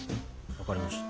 分かりました。